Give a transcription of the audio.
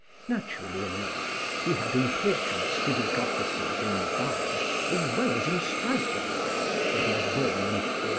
Naturally enough, he held important civic offices in Basle as well as in Strassburg, where he was born in 1458.